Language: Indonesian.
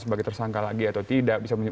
sebagai tersangka lagi atau tidak bisa